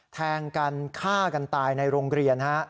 แทงกันฆ่ากันตายในโรงเรียน